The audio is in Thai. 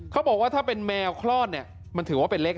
เค้าบอกว่าถ้าเป็นแมวคลอดมันถือว่าเป็นเลข๕